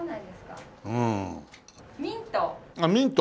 ミント。